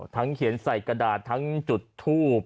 ทั้งเขียนใส่กระดานทั้งจุดทูป